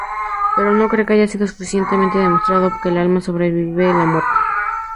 Pero no cree que haya sido suficientemente demostrado que el alma sobrevive la muerte.